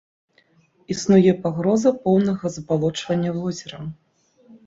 Існуе пагроза поўнага забалочвання возера.